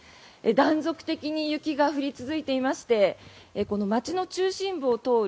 断続的に雪が降り続いていましてこの町の中心部を通る